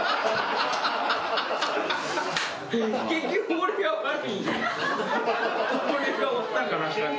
俺がおったからあかん。